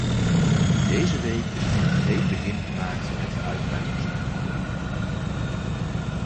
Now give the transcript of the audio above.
Deze week is een concreet begin gemaakt met de uitbreidingsonderhandelingen.